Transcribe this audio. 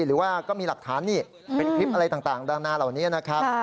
หรือว่าก็มีหลักฐานนี่เป็นคลิปอะไรต่างดังหน้าเหล่านี้นะครับ